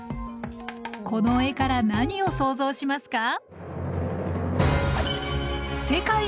この絵から何を想像しますか？